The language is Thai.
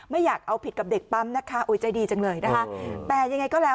ไม่อยากเอาผิดกับเด็กปั๊มนะคะโอ้ยใจดีจังเลยนะคะ